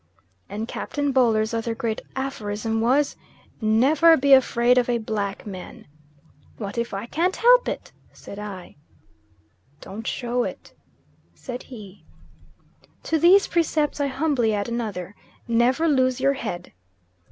And Captain Boler's other great aphorism was: "Never be afraid of a black man." "What if I can't help it?" said I. "Don't show it," said he. To these precepts I humbly add another: "Never lose your head."